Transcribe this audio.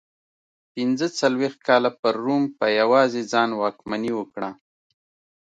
پنځه څلوېښت کاله پر روم په یوازې ځان واکمني وکړه.